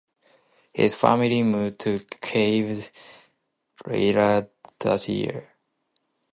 His family moved to Kyiv later that year.